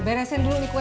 beresin dulu nih kue